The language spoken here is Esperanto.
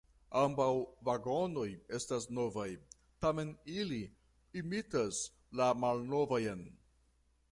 Ambaŭ vagonoj estas novaj, tamen ili imitas la malnovajn.